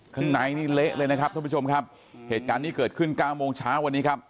ข้างในนี่เละเลยนะครับท่านผู้ชมครับเหตุการณ์นี้เกิดขึ้นเก้าโมงเช้าวันนี้ครับ